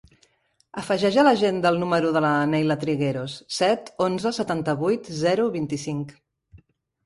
Afegeix a l'agenda el número de la Nayla Trigueros: set, onze, setanta-vuit, zero, vint-i-cinc.